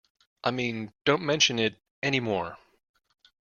I mean, don't mention it any more.